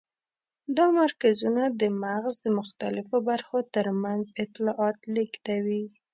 دا مرکزونه د مغز د مختلفو برخو تر منځ اطلاعات لېږدوي.